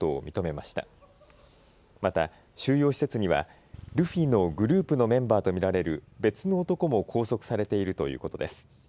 また収容施設にはルフィのグループのメンバーと見られる別の男も拘束されているということです。